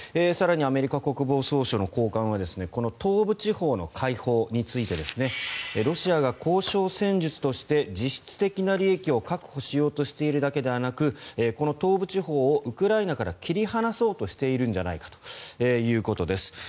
更にアメリカ国防総省の高官はこの東部地方の解放についてロシアが交渉戦術として実質的な利益を確保しようとしているだけでなく東部地方をウクライナから切り離そうとしているんじゃないかということです。